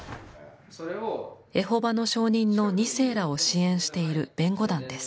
エホバの証人の２世らを支援している弁護団です。